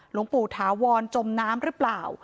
หลวงปู่ถาวรจมน้ำหรือเปล่า